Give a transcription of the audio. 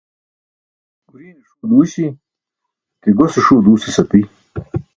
Guriine ṣuu duuśi ke gose ṣuu duusas api.